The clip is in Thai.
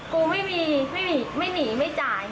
กูไม่มีไม่มีไม่หนีไม่จ่าย